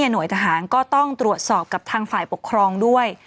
หน่วยทหารก็ต้องตรวจสอบกับทางฝ่ายปกครองด้วย